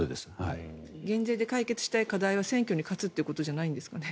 減税で解決したい課題は選挙に勝つということじゃないんですかね？